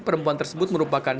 perempuan tersebut merupakan